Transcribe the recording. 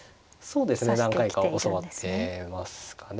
そうですね何回か教わってますかね。